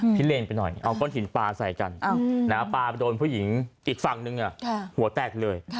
พิเลนไปหน่อยเอาก้นหินปลาใส่กันปลาไปโดนผู้หญิงอีกฝั่งนึงหัวแตกเลย